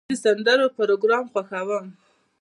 زه د سندرو پروګرام خوښوم.